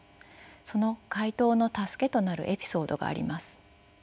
その回答の助けとなるエピソードがあります。